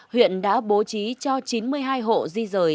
huyện đã bố trí cho chín mươi hai hộ di rời